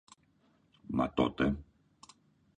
Μα τότε